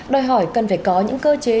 đòi hỏi cần phải có những cơ chế